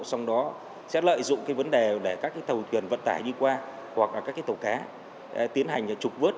xong đó sẽ lợi dụng cái vấn đề để các tàu thuyền vận tải đi qua hoặc các tàu cá tiến hành trục vớt